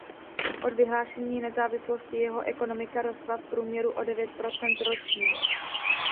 Od vyhlášení nezávislosti jeho ekonomika rostla v průměru o devět procent ročně.